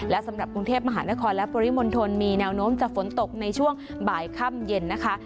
และสำหรับกรุงเทพมหานครและปริมณฑลมีแนวโน้มจากฝนตกในช่วงบ่ายค่ำเย็นนะคะ